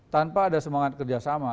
tanpa ada semangat kerjasama